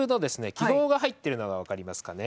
気泡が入ってるのが分かりますかね？